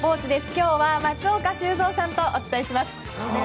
今日は松岡修造さんとお伝えします。